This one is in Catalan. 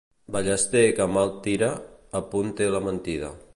Ballester que mal tira, a punt té la mentida.